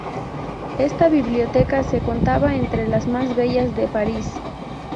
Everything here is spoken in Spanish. Esta biblioteca se contaba entre las más bellas de París.